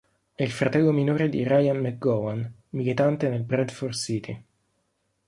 È il fratello minore di Ryan McGowan, militante nel Bradford City.